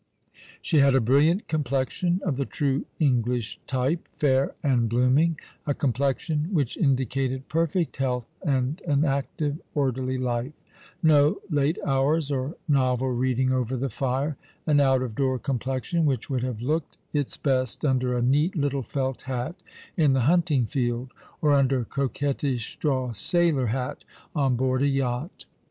She had a brilliant complexion, of the true English type, fair and blooming — a complexion which indicated perfect health and an active, orderly life ; no late hours or novel reading over the fire — an out of door complexion, which would have looked its best under a neat little felt hat in the hunting field, or under a coquettish straw sailor hat on board a yacht.